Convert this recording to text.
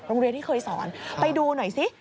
โรงเรียนที่เคยสอนไปดูหน่อยซิ